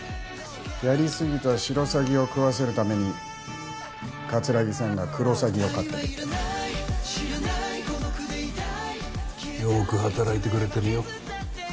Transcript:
やりすぎたシロサギを喰わせるために桂木さんがクロサギを飼ってるってよーく働いてくれてるよ